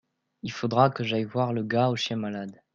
Il faudra que j'aille voir le gars au chien malade.